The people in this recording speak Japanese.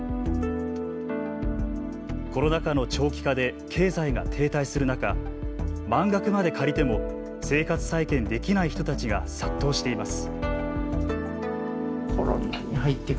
コロナ禍の長期化で経済が停滞する中満額まで借りても、生活再建できない人たちが殺到しています。